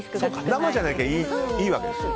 生じゃなきゃいいわけですか。